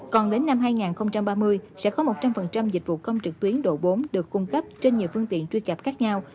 còn đến năm hai nghìn ba mươi sẽ có một trăm linh dịch vụ công trực tuyến độ bốn được cung cấp trên nhiều phương tiện truy cập khác nhau